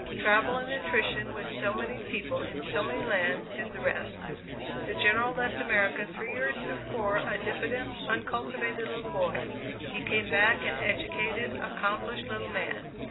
Travel and attrition with so many people in so many lands did the rest. The General left America three years before, a diffident, uncultivated little boy; he came back an educated, accomplished little man.